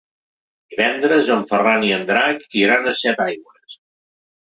Divendres en Ferran i en Drac iran a Setaigües.